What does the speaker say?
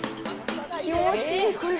気持ちいい、これ。